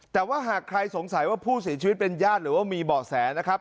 แต่ว่าหากใครสงสัยว่าผู้เสียชีวิตเป็นญาติหรือว่ามีเบาะแสนะครับ